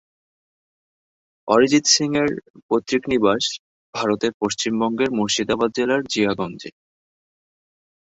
অরিজিৎ সিং এর পৈতৃক নিবাস ভারতের পশ্চিমবঙ্গের মুর্শিদাবাদ জেলার জিয়াগঞ্জ-এ।